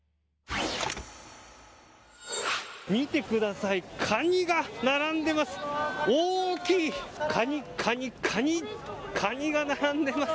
見てくださいカニが並んでます。